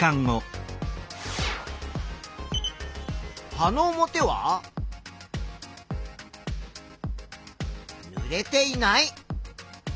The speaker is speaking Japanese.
葉の表はぬれていない。